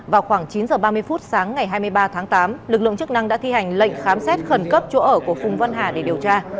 vào khoảng chín h ba mươi phút sáng ngày hai mươi ba tháng tám lực lượng chức năng đã thi hành lệnh khám xét khẩn cấp chỗ ở của phùng văn hà để điều tra